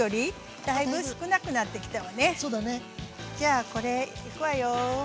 じゃこれいくわよ。